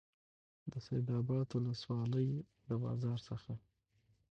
د سیدآباد د ولسوالۍ د بازار څخه